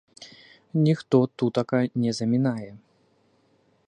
Ніхто тутака не замінае.